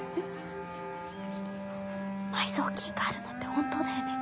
埋蔵金があるのって本当だよね？